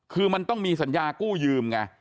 คือมันต้องมีสัญญากู้ยืมไง